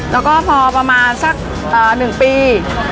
แล้วก็พอประมาณสักอ่าหนึ่งปี